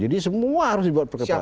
jadi semua harus dibuat perkepatan